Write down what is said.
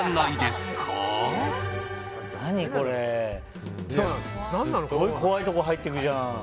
すっごい怖いところ入ってくじゃん。